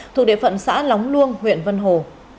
thuộc địa phận xã lóng luông huyện vân hồ